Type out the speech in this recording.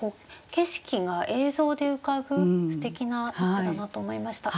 景色が映像で浮かぶすてきな一句だなと思いました。